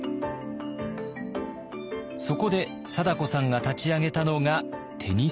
そこで貞子さんが立ち上げたのがテニス部。